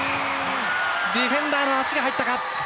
ディフェンダーの足が入ったか。